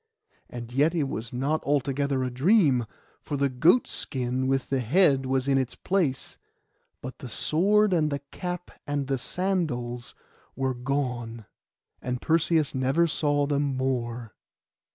And yet it was not altogether a dream; for the goat skin with the head was in its place; but the sword, and the cap, and the sandals were gone, and Perseus never saw them more.